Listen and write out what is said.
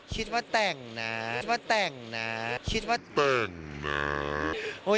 คิดว่าแต่งนะคิดว่าแต่งนะคิดว่าเต่ง